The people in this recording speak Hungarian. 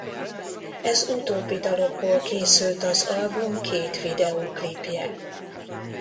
Ez utóbbi dalokból készült az album két videóklipje.